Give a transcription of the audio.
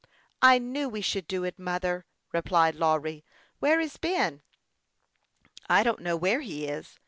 " I knew we should do it, mother," replied Lawry. " Where is Ben ?"" I don't know where he is.